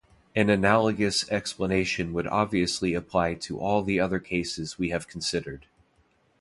An analogous explanation would obviously apply to all the other cases we have considered.